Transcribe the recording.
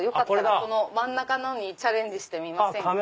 この真ん中のにチャレンジしてみませんか？